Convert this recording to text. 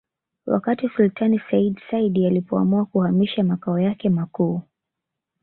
Wakati Sultani Sayyid Said alipoamua kuhamisha makao yake makuu